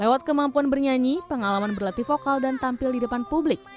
lewat kemampuan bernyanyi pengalaman berlatih vokal dan tampil di depan publik